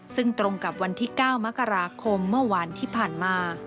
ซึ่งตรงกับวันที่๙มกราคมเมื่อวานที่ผ่านมา